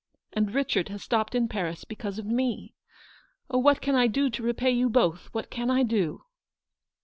And Richard has stopped in Paris because of me. Oh, what can I do to repay you both, what can I do